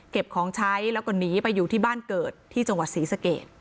ของใช้แล้วก็หนีไปอยู่ที่บ้านเกิดที่จังหวัดศรีสเกต